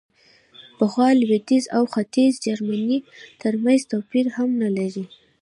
پخوا لوېدیځ او ختیځ جرمني ترمنځ توپیر هم نه لري.